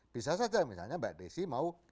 bisa saja misalnya mbak desi mau